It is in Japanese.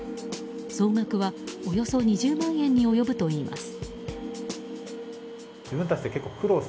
総額はおよそ２０万円に及ぶといいます。